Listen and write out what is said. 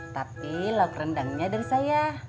tapi lauk rendangnya dari saya